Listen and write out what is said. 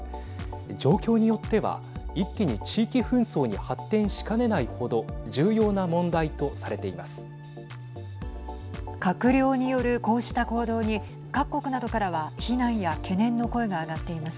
状況によっては一気に地域紛争に発展しかねない程重要な問題とされています。